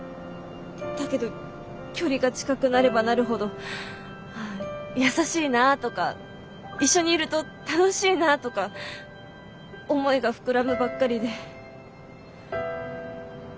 だけど距離が近くなればなるほど優しいなぁとか一緒にいると楽しいなぁとか思いが膨らむばっかりで。